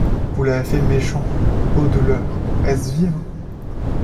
Vous l’avez fait méchant! — Ô douleur ! est-ce vivre?